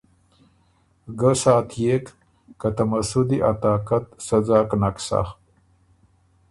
ګۀ ساتئېک که ته مسُودی ا طاقت سۀ ځاک نک سَۀ۔